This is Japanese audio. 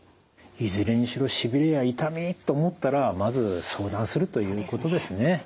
いずれにしろしびれや痛みと思ったらまず相談するということですね。